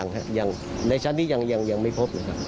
ก็ไม่มีฮะอย่างในชั้นที่ยังไม่พบนะครับ